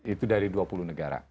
itu dari dua puluh negara